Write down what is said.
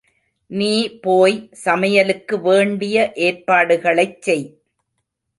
நீ போய் சமயலுக்கு வேண்டிய ஏற்பாடுகளைச் செய்.